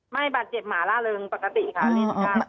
ไม่บาดเจ็บหมาล่าเริงปกติค่ะเล่น